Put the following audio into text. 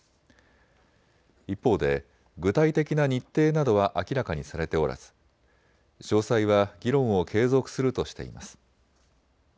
一方で具体的な日程などは明らかにされておらず詳細は議論を継続するとしています。